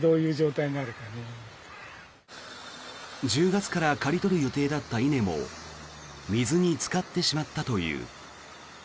１０月から刈り取る予定だった稲も水につかってしまったという。